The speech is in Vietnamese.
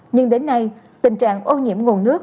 nhưng đến nay tình trạng ô nhiễm nguồn nước